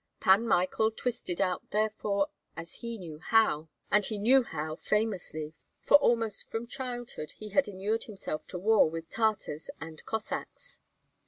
Pan Michael twisted out therefore as he knew how, and he knew how famously, for almost from childhood he had inured himself to war with Tartars and Cossacks.